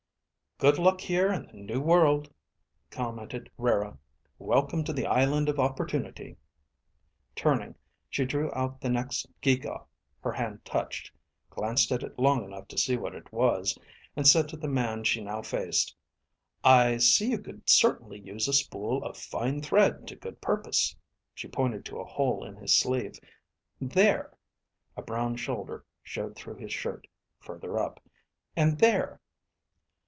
"Good luck here in the New World," commented Rara. "Welcome to the Island of Opportunity." Turning, she drew out the next gee gaw her hand touched, glanced at it long enough to see what it was, and said to the man she now faced. "I see you could certainly use a spool of fine thread to good purpose." She pointed to a hole in his sleeve. "There." A brown shoulder showed through his shirt, further up. "And there."